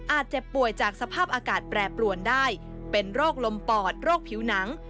เจ็บป่วยจากสภาพอากาศแปรปรวนได้เป็นโรคลมปอดโรคผิวหนัง